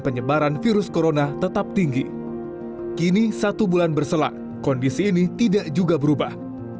penyebaran virus corona tetap tinggi kini satu bulan berselak kondisi ini tidak juga berubah